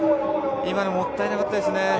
今のもったいなかったですね。